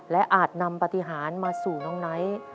และอาจนำปฏิหารมาสู่น้องไนท์